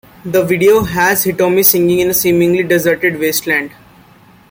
The video has Hitomi singing in a seemingly deserted wasteland.